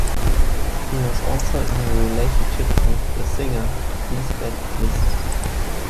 He was also in a relationship with the singer, Liesbeth List.